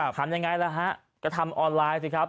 ทำยังไงล่ะฮะก็ทำออนไลน์สิครับ